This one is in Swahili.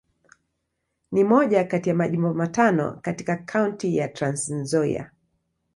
Ni moja kati ya Majimbo matano katika Kaunti ya Trans-Nzoia.